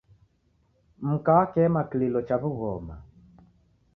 Mka wakema kililo cha w'ughoma